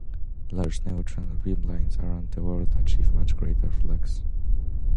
Large neutron beamlines around the world achieve much greater flux.